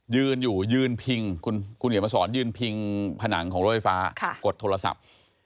ยืนอยู่ยืนพิงคุณเขียนมาสอนยืนพิงผนังของรถไฟฟ้ากดโทรศัพท์